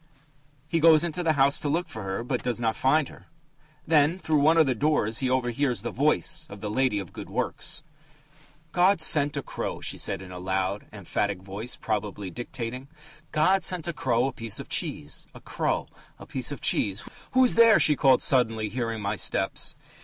He goes into the house to look for her, but does not find her. Then through one of the doors he overhears the voice of the lady of the good works: "'God ... sent ... a crow,'" she said in a loud, emphatic voice, probably dictating "'God sent a crow a piece of cheese.... A crow ... A piece of cheese ... Who's there?" she called suddenly, hearing my steps.